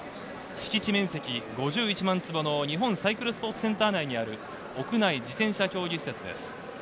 敷地面積５１万坪の日本サイクルスポーツセンター内にある屋内自転車競技施設です。